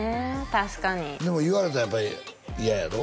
確かにでも言われたらやっぱり嫌やろ？